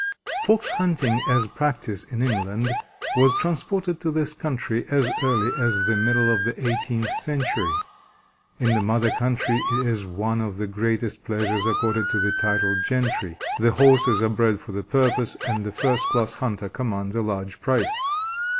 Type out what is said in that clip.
Fox hunting as practised in England was transported to this country as early as the middle of the eighteenth century. In the mother country it is one of the greatest pleasures accorded to the titled gentry; the Horses are bred for the purpose, and a first class hunter commands a large price.